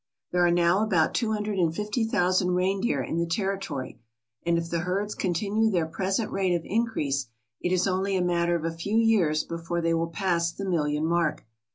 There are now about two hundred and fifty thousand reindeer in the territory, and if the herds continue their present rate of increase it is only a matter of a few years before they will pass the million mark.